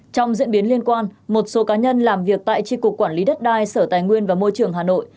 trong diễn biến liên quan một số cá nhân làm việc tại tri cục quản lý đất đai sở tài nguyên và môi trường hà nội